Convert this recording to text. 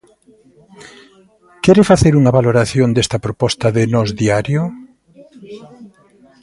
Quere facer unha valoración desta proposta de Nós Diario?